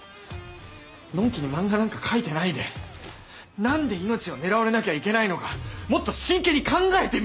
のんきに漫画なんか描いてないで何で命を狙われなきゃいけないのかもっと真剣に考えてみろよ！